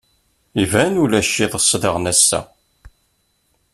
Iban ulac iḍes daɣen ass-a.